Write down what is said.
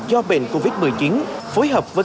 do bệnh covid một mươi chín phối hợp với